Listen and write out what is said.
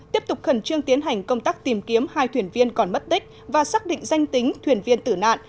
tiếp tục khẩn trương tiến hành công tác tìm kiếm hai thuyền viên còn mất tích và xác định danh tính thuyền viên tử nạn